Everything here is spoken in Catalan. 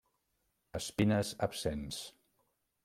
Espines absents.